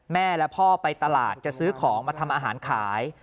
แม่และพ่อไปตลาดจะซื้อของมาทำอาหารขาย